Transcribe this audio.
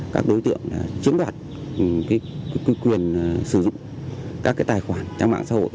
các đối tượng chiếm đoạt quyền sử dụng các tài khoản trang mạng xã hội